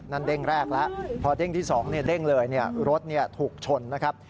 เด้งแรกแล้วพอเด้งที่๒เด้งเลยรถถูกชนนะครับ